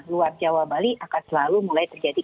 luar jawa bali akan selalu mulai terjadi